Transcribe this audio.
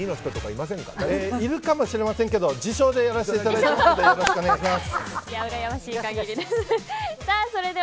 いるかもしれませんけど自称でやらせていただいてますので